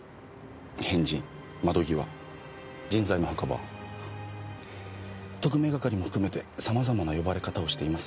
変人窓際人材の墓場特命係も含めて様々な呼ばれ方をしています。